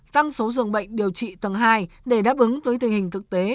tăng số dường bệnh điều trị tầng hai để đáp ứng với tình hình thực tế